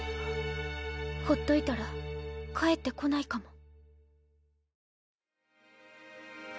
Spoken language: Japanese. ほっといたら帰って来ないかも。